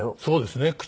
そうですね。